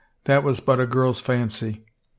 That was but a girl's fancy. ...